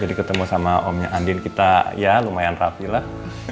jadi ketemu sama omnya andien kita ya lumayan rapi lah